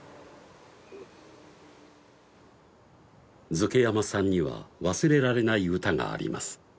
瑞慶山さんには忘れられない歌があります